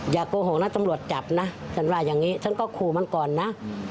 โกหกนะตำรวจจับนะฉันว่าอย่างนี้ฉันก็ขู่มันก่อนนะ